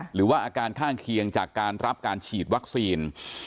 หรือว่าอาการข้างเคียงจากการรับการฉีดวัคซีน